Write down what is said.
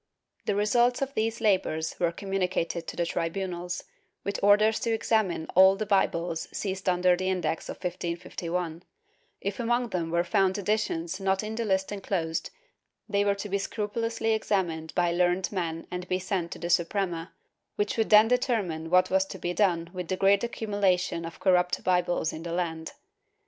The results of these labors were communicated to the tribunals, with orders to examine all the Bibles seized under the Index of 1551; if among them were found editions not in the list enclosed, they were to be scrupulously examined by learned men and be sent to the Suprema, which would then determine what was to be done with the great accumulation of corrupt Bibles in the land.